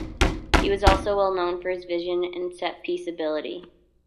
He was also well known for his vision and set-piece ability.